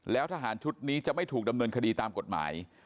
แล้วทหารชุดนี้จะไม่ถูกดำเนินคดีตามกฎหมาย